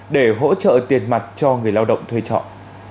để hỗ trợ tiền mặt cho người lao động thuê trọ